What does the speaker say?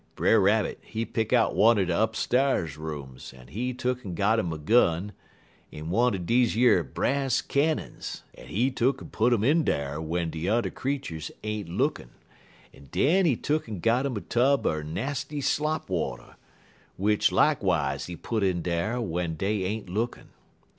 "Brer Rabbit, he pick out one er de upsta'rs rooms, en he tuck'n' got 'im a gun, en one er deze yer brass cannons, en he tuck'n' put um in dar w'en de yuther creeturs ain't lookin', en den he tuck'n' got 'im a tub er nasty slop water, w'ich likewise he put in dar w'en dey ain't lookin'.